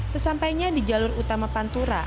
sesampainya di jalur utama pantura